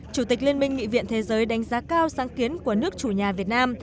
chủ tịch liên minh nghị viện thế giới đánh giá cao sáng kiến của nước chủ nhà việt nam